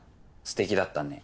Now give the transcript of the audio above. すてきだったね。